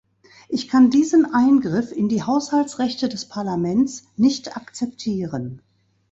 Ich kann diesen Eingriff in die Hauhaltsrechte des Parlaments nicht akzeptieren.